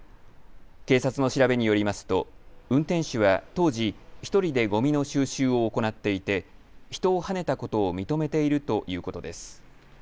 警察の調べによりますと運転手は当時、１人でごみの収集を行っていて人をはねたことを認めているということです。